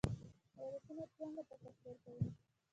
ویروسونه څنګه تکثیر کوي؟